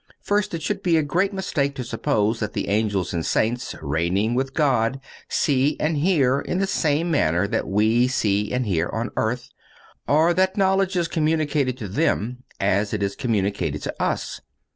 First—It would be a great mistake to suppose that the Angels and Saints reigning with God see and hear in the same manner that we see and hear on earth, or that knowledge is communicated to them as it is communicated to us.